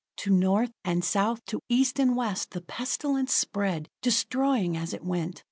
To North and South, to East and West, the pestilence spread, destroying as it went.